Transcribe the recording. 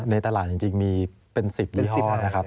ในตลาดจริงมีเป็น๑๐ยี่ห้อนะครับ